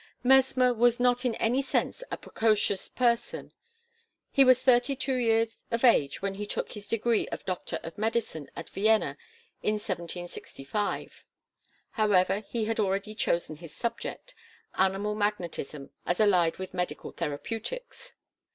Mesmer was not in any sense a precocious person. He was thirty two years of age when he took his degree of Doctor of Medicine at Vienna in 1765. However he had already chosen his subject, animal magnetism as allied with medical therapeutics.